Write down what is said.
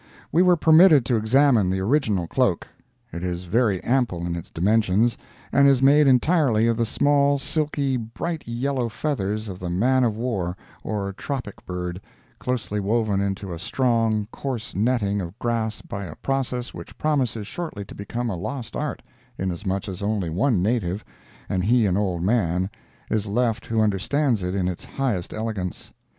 We were permitted to examine the original cloak. It is very ample in its dimensions, and is made entirely of the small, silky, bright yellow feathers of the man of war or tropic bird, closely woven into a strong, coarse netting of grass by a process which promises shortly to become a lost art, inasmuch as only one native, and he an old man, is left who understands it in its highest elegance.